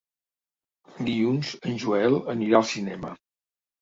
Dilluns en Joel anirà al cinema.